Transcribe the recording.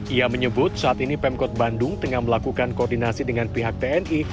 ia menyebut saat ini pemkot bandung tengah melakukan koordinasi dengan pihak tni